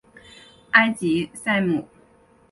埃吉赛姆。